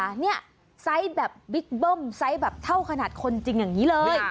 อันนี้ไซส์แบบบิ๊กเบิ้มไซส์แบบเท่าขนาดคนจริงอย่างนี้เลย